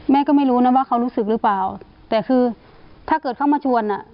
แม่ก็ไม่รู้นะว่าเขารู้สึกหรือเปล่าแต่คือถ้าเกิดเขามาชวนอ่ะ